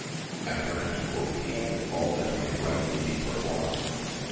I grant, quoth he, all that may rightly be performed.